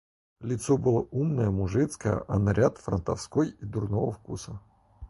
Лицо было умное, мужицкое, а наряд франтовской и дурного вкуса.